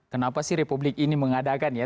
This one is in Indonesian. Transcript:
kenapa sih republik ini mengadakan ya